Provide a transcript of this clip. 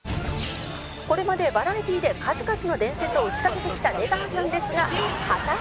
これまでバラエティーで数々の伝説を打ち立ててきた出川さんですが果たして？